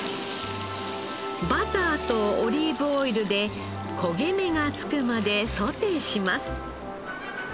バターとオリーブオイルで焦げ目がつくまでソテーします。